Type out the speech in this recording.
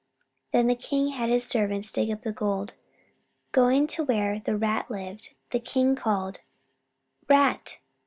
Then the king had his servants dig up the gold. Going to where the Rat lived, the king called, "Rat!"